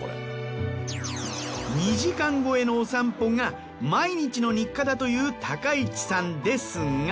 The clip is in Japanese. ２時間超えのお散歩が毎日の日課だという一さんですが。